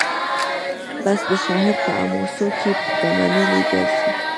بس د شاعر په حماسو کي به منلي ګرځي